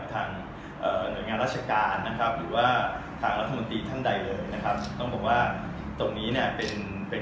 นะครับก็เป็นเรื่องธุรกิจธรรมดาซึ่งใครก็ทำได้นะครับที่พี่ก็ทำเองได้นะครับไม่ได้ไม่ได้มีอะไรซับสอบนะครับ